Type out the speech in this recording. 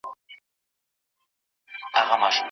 رواني او پای یې هیچا ته څرګند نه دی